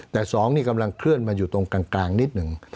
แต่๒นี่กำลังเคลื่อนมาอยู่ตรงกลางนิดหนึ่ง